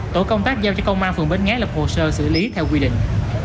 tổ công tác giao cho công an phường bến nghé lập hồ sơ xử lý theo quy định